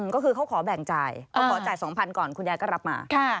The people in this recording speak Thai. ก็คือเขาขอแบ่งจ่ายเขาขอจ่าย๒๐๐ก่อนคุณยายก็รับมา